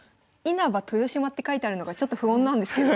豊島って書いてあるのがちょっと不穏なんですけど。